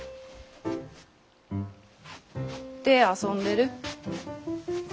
手遊んでる。